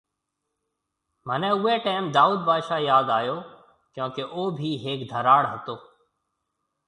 منهي اوئي ٽائيم دائود بادشاه ياد آيو۔ ڪيونڪي او ڀي هيڪ ڌراڙ هتو